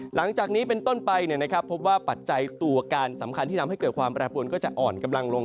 หลังจากนี้เป็นต้นไปพบว่าปัจจัยตัวการสำคัญที่ทำให้เกิดความแปรปวนก็จะอ่อนกำลังลง